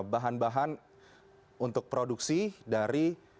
bahan bahan untuk produksi dari